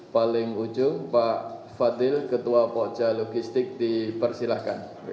paling ujung pak fadil ketua poja logistik dipersilahkan